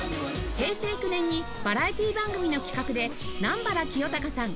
平成９年にバラエティ番組の企画で南原清隆さん